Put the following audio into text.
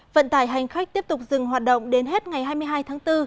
vận tải hành khách tiếp tục dừng hoạt động đến hết ngày hai mươi hai tháng bốn